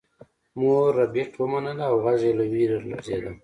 مور ربیټ ومنله او غږ یې له ویرې لړزیده